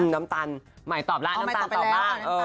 น้ำตาลใหม่ตอบแล้วน้ำตาลตอบบ้าง